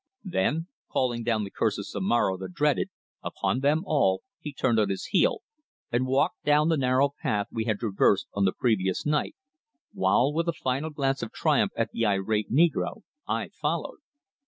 Then, calling down the curse of Zomara, the dreaded, upon them all, he turned on his heel and walked down the narrow path we had traversed on the previous night, while, with a final glance of triumph at the irate negro, I followed.